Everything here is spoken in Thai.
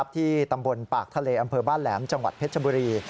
ที่ตำบลปากทะเลอำเภอบ้านแหลมจังหวัดเพชรบุรี